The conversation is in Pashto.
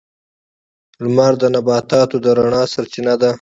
• لمر د نباتاتو د رڼا سرچینه ده.